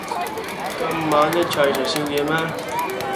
今晚一齊食宵夜嗎？